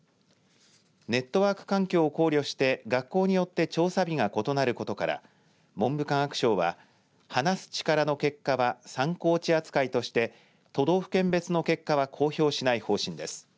ネットワーク環境を考慮して学校によって調査日が異なることから文部科学省は話す力の結果は参考値扱いとして都道府県別の結果は公表しない方針です。